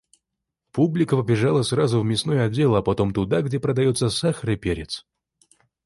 Публика побежала сразу в мясной отдел, а потом туда, где продается сахар и перец.